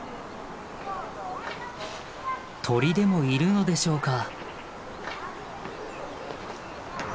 鳥でもいるのでしょうか？